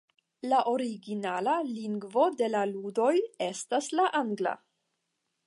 La originala lingvo de la ludoj estas la angla.